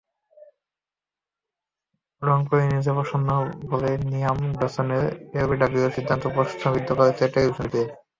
রংপুর ইনিংসে প্রসন্নর বলে লিয়াম ডসনের এলবিডব্লুর সিদ্ধান্তকে প্রশ্নবিদ্ধ করছে টেলিভিশন রিপ্লে।